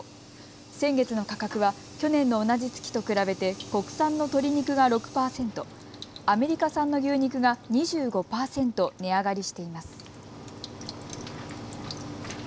先月の価格は去年の同じ月と比べて国産の鶏肉が６％、アメリカ産の牛肉が２５％値上がりしています。